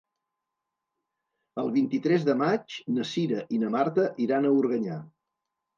El vint-i-tres de maig na Cira i na Marta iran a Organyà.